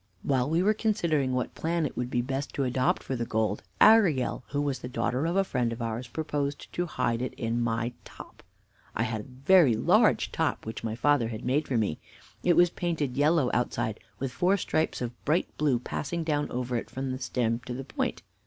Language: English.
"While we were considering what plan it would be best to adopt for the gold, Arielle, who was the daughter of a friend of ours, proposed to hide it in my top. I had a very large top which my father had made for me. It was painted yellow outside, with four stripes of bright blue passing down over it from the stem to the point.